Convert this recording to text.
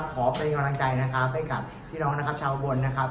ขอเป็นกำลังใจนะครับให้กับพี่น้องนะครับชาวอุบลนะครับ